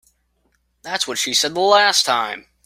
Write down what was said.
That's what she said the last time.